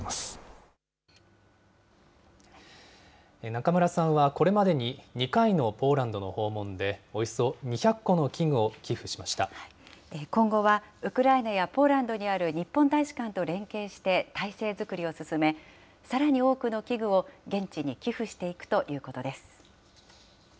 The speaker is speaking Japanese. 中村さんはこれまでに２回のポーランドの訪問でおよそ２００今後はウクライナやポーランドにある日本大使館と連携して、態勢作りを進め、さらに多くの器具を現地に寄付していくということです。